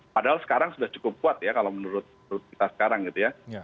padahal sekarang sudah cukup kuat ya kalau menurut kita sekarang gitu ya